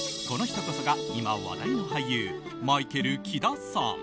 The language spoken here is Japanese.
この人こそが、今話題の俳優マイケル・キダさん。